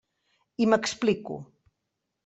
I m'explico.